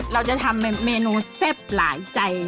เราจะทำเมนูแซ่บหลายใจ